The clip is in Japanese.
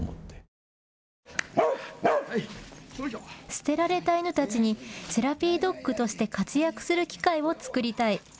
捨てられた犬たちにセラピードッグとして活躍する機会を作りたい。